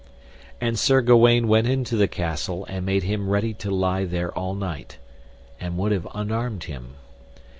And Sir Gawaine went into the castle, and made him ready to lie there all night, and would have unarmed him.